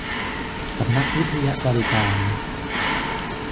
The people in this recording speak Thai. สำนักวิทยบริการ